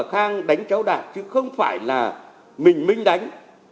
khang đánh cháu đạt chứ không phải là mình minh đánh